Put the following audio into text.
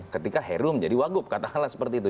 ketika heru menjadi wagub katakanlah seperti itu